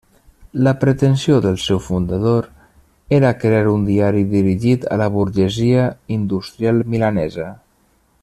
La pretensió del seu fundador era crear un diari dirigit a la burgesia industrial milanesa.